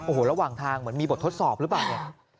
โอ้โหระหว่างทางเหมือนมีบททดสอบหรือเปล่าเนี่ย